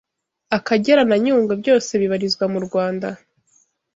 Akagera na Nyungwe byose bibarizwa m’ u Rwanda